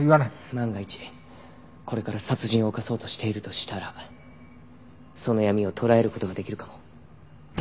万が一これから殺人を犯そうとしているとしたらその闇を捉える事ができるかも。